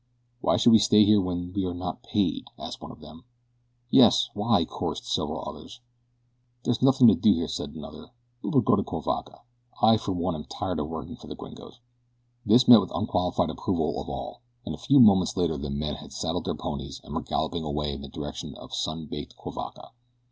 "Why should we stay here when we are not paid?" asked one of them. "Yes, why?" chorused several others. "There is nothing to do here," said another. "We will go to Cuivaca. I, for one, am tired of working for the gringos." This met with the unqualified approval of all, and a few moments later the men had saddled their ponies and were galloping away in the direction of sun baked Cuivaca.